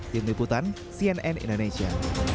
tim liputan cnn indonesia